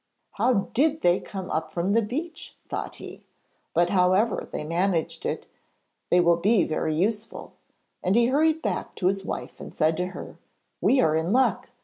'How did they come up from the beach?' thought he. 'But however they managed it, they will be very useful,' and he hurried back to his wife and said to her: 'We are in luck!